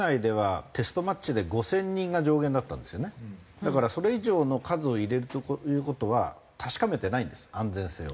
だからそれ以上の数を入れるという事は確かめてないんです安全性を。